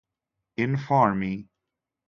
Informi.